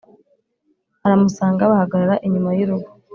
aramusanga bahagarara inyuma yurugo